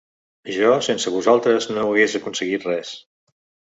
Jo sense vosaltres no hagués aconseguit res.